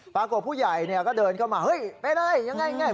ปรากฏผู้ใหญ่ก็เดินเข้ามาโศกไปด้วยอย่างไร